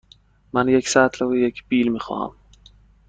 من یک سطل و یک بیل می خواهم.